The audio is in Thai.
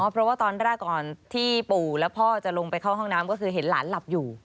เพราะว่าตอนแรกก่อนที่ปู่และพ่อจะลงไปเข้าห้องน้ำก็คือเห็นหลานหลับอยู่